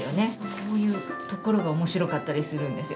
こういうところがおもしろかったりするんですよ。